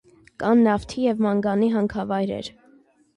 Կան նավթի և մանգանի հանքավայրեր։